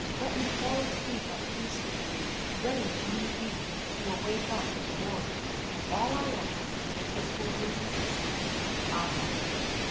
Let me fall asleep at peace with Thee, ready, if need be, to awake up in glory. And all I ask is for Jesus' sake. Amen.